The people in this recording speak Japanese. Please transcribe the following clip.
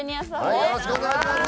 お願いします。